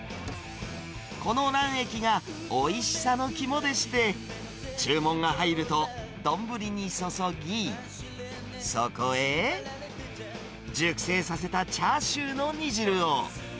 この卵液がおいしさのきもでして、注文が入ると、丼に注ぎ、そこへ熟成させたチャーシューの煮汁を。